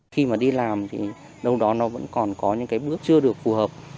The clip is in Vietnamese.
khi mà đi làm thì đâu đó nó vẫn còn có những cái bước chưa được phù hợp